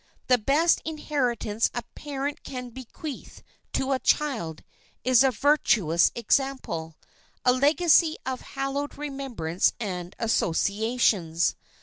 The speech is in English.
The best inheritance a parent can bequeathe to a child is a virtuous example, a legacy of hallowed remembrance and associations.